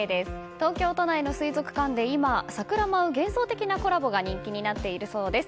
東京都内の水族館で今桜舞う幻想的なコラボが人気になっているそうです。